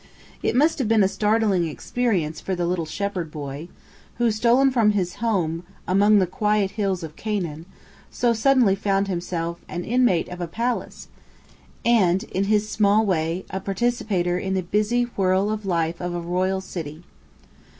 It must have been a startling experience for the little shepherd boy, who, stolen from his home among the quiet hills of Canaan, so suddenly found himself an inmate of a palace, and, in his small way, a participator in the busy whirl of life of a royal city.